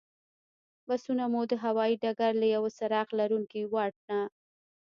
بسونه مو د هوایي ډګر له یوه څراغ لرونکي واټ نه.